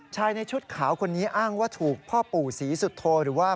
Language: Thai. ในชุดขาวคนนี้อ้างว่าถูกพ่อปู่ศรีสุโธหรือว่า